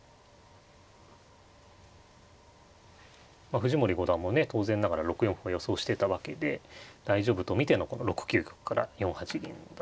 藤森五段もね当然ながら６四歩は予想してたわけで大丈夫と見てのこの６九玉から４八銀だったわけですね。